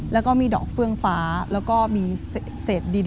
แล้วก็มีดอกเฟื่องฟ้าแล้วก็มีเศษดิน